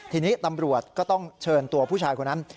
ทีนี้ตำรวจก็ต้องเชิญตัวผู้ชายคนนั้น